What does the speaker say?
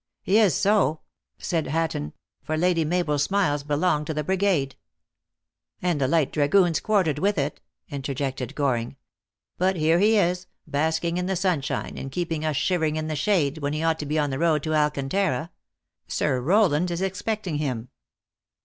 " lie is so," said Hatton," for Lady Mabel s smiles belong to the brigade." u And the light dragoons quartered with it," inter jected Goring. " But here he is, basking in the sun shine, and keeping us shivering in the shade, when he ought to be on the road to Alcantara. Sir Rowland is expecting him.